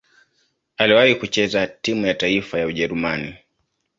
Aliwahi kucheza timu ya taifa ya Ujerumani.